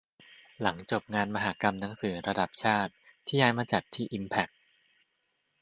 หลังจบงานมหกรรมหนังสือระดับชาติ ที่ย้ายมาจัดที่อิมแพ็ค